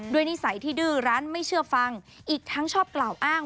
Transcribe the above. นิสัยที่ดื้อรั้นไม่เชื่อฟังอีกทั้งชอบกล่าวอ้าง